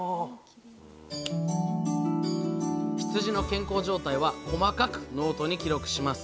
羊の健康状態は細かくノートに記録します。